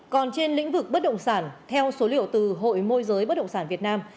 còn trên lĩnh vực bất động sản theo số liệu từ hội môi giới bất động sản việt nam